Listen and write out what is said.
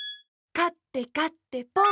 かってかってポン！